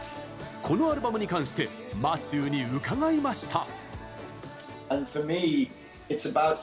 このアルバムに関してマシューに伺いました。